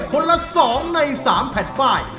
คนละ๒ใน๓แผ่นป้าย